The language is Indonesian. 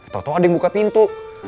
tau tau ada yang buka pintu